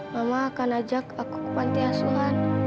mama akan ajak aku ke panti asuhan